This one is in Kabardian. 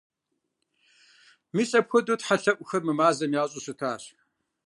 Мис апхуэдэу тхьэлъэӀухэр мы мазэм ящӀыу щытащ.